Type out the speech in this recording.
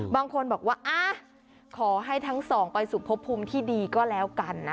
บางคนบอกว่าขอให้ทั้งสองไปสู่พบภูมิที่ดีก็แล้วกันนะ